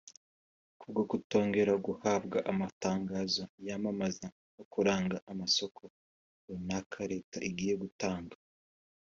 kubwo kutongera guhabwa amatangazo yamamaza no kuranga amasoko runaka leta igiye gutanga